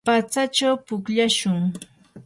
patsachaw pukllashun.